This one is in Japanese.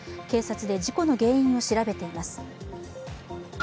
警察で事故の原因を調べています。